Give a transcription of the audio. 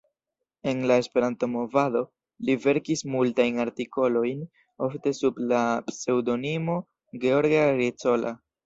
En la Esperanto-movado, li verkis multajn artikolojn, ofte sub la pseŭdonimo "George Agricola".